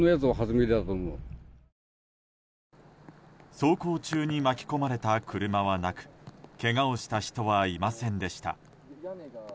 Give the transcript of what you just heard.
走行中に巻き込まれた車はなくけがをした人はいませんでした。